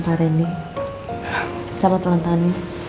selamat ulang tahun